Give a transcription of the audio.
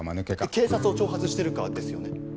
警察を挑発してるかですよね。